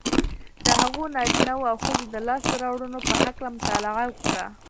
د هغو نارینهوو او ښځو د لاسته رواړنو په هکله مطالعه وکړئ